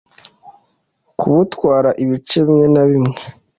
kubutwara ibice bimwe na bimwe